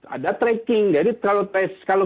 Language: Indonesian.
ada tracking jadi kalau